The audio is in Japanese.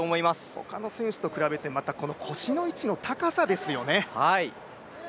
他の選手と比べて、腰の位置の高さですよね。